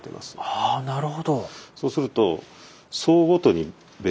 ああなるほど。